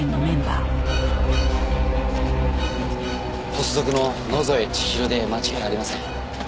ポスドクの野添千尋で間違いありません。